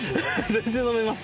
全然飲めます。